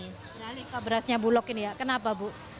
beralih kok berasnya bulok ini ya kenapa bu